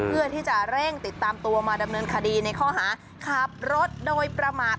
เพื่อที่จะเร่งติดตามตัวมาดำเนินคดีในข้อหาขับรถโดยประมาท